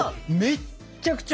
めっちゃくちゃ